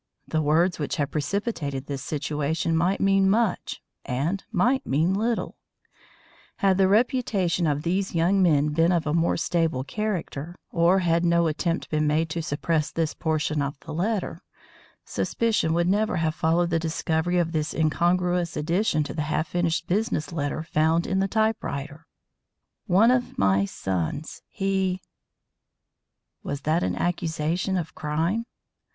The words which had precipitated this situation might mean much and might mean little. Had the reputation of these young men been of a more stable character, or had no attempt been made to suppress this portion of the letter, suspicion would never have followed the discovery of this incongruous addition to the half finished business letter found in the typewriter; "one of my sons he" was that an accusation of crime?